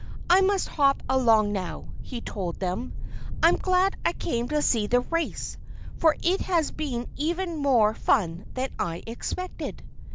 "I must hop along now," he told them. "I'm glad I came to see the race, for it has been even more fun than I expected."